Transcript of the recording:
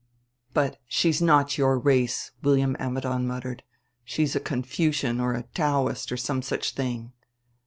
"But she's not your race," William Ammidon muttered; "she is a Confucian or Taoist, or some such thing."